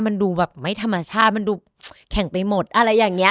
มันดูแบบไม่ธรรมชาติมันดูแข็งไปหมดอะไรอย่างนี้